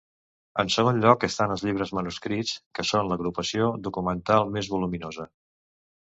En segon lloc estan els llibres manuscrits, que són l'agrupació documental més voluminosa.